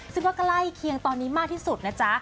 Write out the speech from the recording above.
ซึ่งว่าใกล้เคียงตอนนี้มากที่สุดนะจ๊ะ